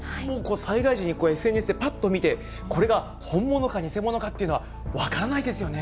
災害時にＳＮＳでぱっと見て、これが本物か偽物かっていうのは分からないですよね。